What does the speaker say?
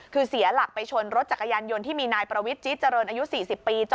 คือเสียหลักไปชนรถจักรยานยนต์ที่มีนายประวิทย์จิตเจริญอายุ๔๐ปี